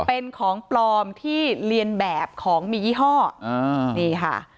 เป็นของปลอมที่เรียนแบบของมียี่ห้อนี่ค่ะ